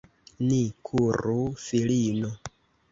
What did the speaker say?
Ni kuru, filino!